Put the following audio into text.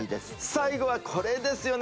最後はこれですよね